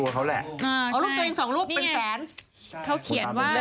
เขาเขียนว่า